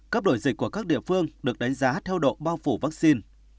các đổi dịch của các địa phương được đánh giá theo độ bao phủ vaccine